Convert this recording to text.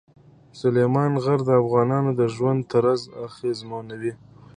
سلیمان غر د افغانانو د ژوند طرز اغېزمنوي.